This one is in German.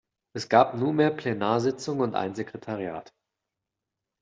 Es gab nunmehr Plenarsitzungen und ein Sekretariat.